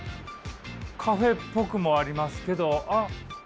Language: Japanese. カフェっぽくもありますけどあっ！